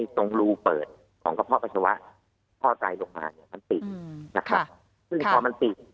ซึ่งพอมันปิด